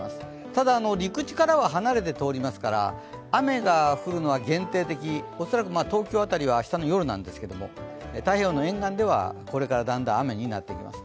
ただ、陸地からは離れて通りますから、雨が降るのは限定的、恐らく東京辺りは明日の夜なんですけれども太平洋の沿岸では、これからだんだん雨になっていきます。